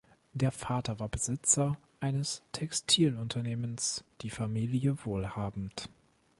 Der Vater war Besitzer eines Textilunternehmens, die Familie wohlhabend.